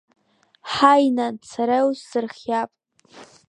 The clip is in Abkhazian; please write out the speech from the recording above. Ҳаи, нан, сара иузсырхиап.